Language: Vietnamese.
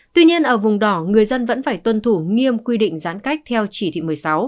tuy nhiên ở vùng đỏ người dân vẫn phải tuân thủ nghiêm quy định giãn cách theo chỉ thị một mươi sáu